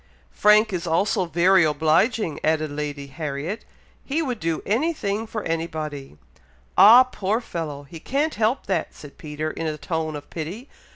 "Frank is also very obliging!" added Lady Harriet; "he would do anything for any body." "Ah, poor fellow! he can't help that," said Peter, in a tone of pity.